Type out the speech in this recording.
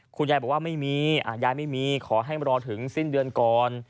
คุณยายบอกว่าไม่มียายไม่มีขอให้รอถึงสิ้นเดือนก่อน